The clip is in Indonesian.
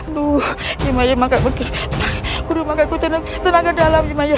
duh ini maya makan begitu udah makanku tenang tenang ke dalam ini maya